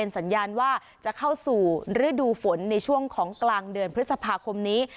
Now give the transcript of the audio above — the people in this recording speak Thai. สัญญาณว่าจะเข้าสู่ฤดูฝนในช่วงของกลางเดือนพฤษภาคมนี้